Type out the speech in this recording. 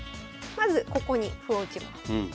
まずここに歩を打ちます。